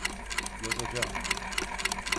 Yazacağım.